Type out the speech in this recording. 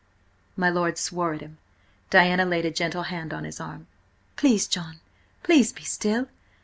My lord swore at him. Diana laid a gentle hand on his arm. "Please, John! Please be still!